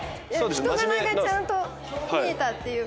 人柄がちゃんと見えたっていう。